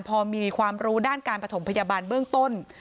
พอมีความรู้ด้านการประถมพยาบาลเบื้องต้น